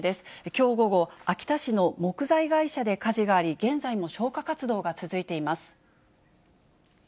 きょう午後、秋田市の木材会社で火事があり、現在も消火活動が続いています。